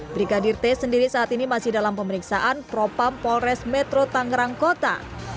brigadir t sendiri saat ini masih dalam pemeriksaan propam polres metro tangerang kota